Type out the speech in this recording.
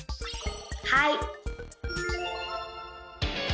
はい！